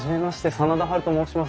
真田ハルと申します。